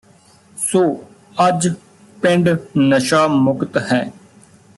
ਸੋ ਅੱਜ ਪਿੰਡ ਨਸ਼ਾ ਮੁਕਤ ਹੈ